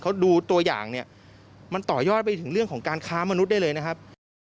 เขาดูตัวอย่างเนี่ยมันต่อยอดไปถึงเรื่องของการค้ามนุษย์ได้เลยนะครับ